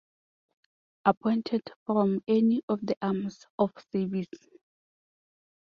Appointed from any of the Arms of Service.